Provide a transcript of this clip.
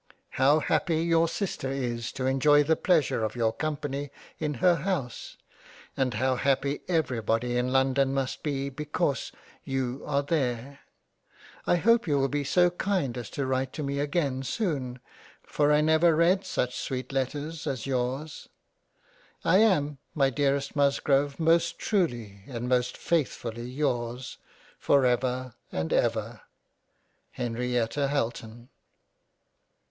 How happy your Sister is to enjoy the pleasure of your Company in her house, and how happy every body in London must be because you are there. I hope you will be so kind as to write to me again soon, for I never read such sweet Letters as yours. I am my dearest Musgrove most truly and faithfully yours for ever and ever Henrietta Halton.